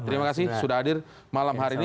terima kasih sudah hadir malam hari ini